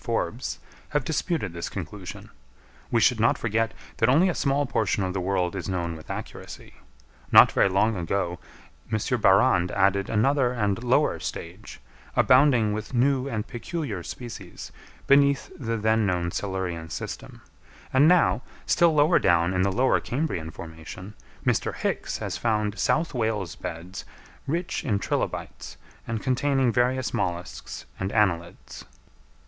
Forbes, have disputed this conclusion. We should not forget that only a small portion of the world is known with accuracy. Not very long ago M. Barrande added another and lower stage, abounding with new and peculiar species, beneath the then known Silurian system; and now, still lower down in the Lower Cambrian formation, Mr Hicks has found South Wales beds rich in trilobites, and containing various molluscs and annelids.